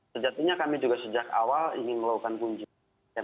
sejatinya kami juga sejak awal ingin melakukan kunjungan